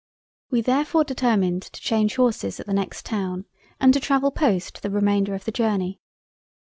We therefore determined to change Horses at the next Town and to travel Post the remainder of the Journey—.